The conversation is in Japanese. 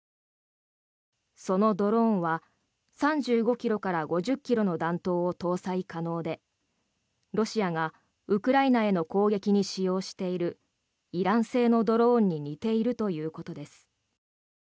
そのドローンは３５ｋｇから５０ｋｇの弾頭を搭載可能でロシアがウクライナへの攻撃に使用しているイラン製のドローンに似ているということです。